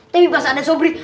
tapi pas ada sobri